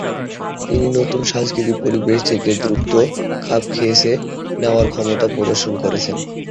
তিনি নতুন সাংস্কৃতিক পরিবেশের সাথে দ্রুত খাপ খাইয়ে নেওয়ার ক্ষমতাও প্রদর্শন করেছেন।